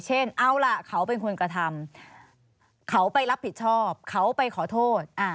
เช่นเอาล่ะเขาเป็นคนกระทำเขาไปรับผิดชอบเขาไปขอโทษ